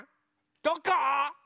どこ？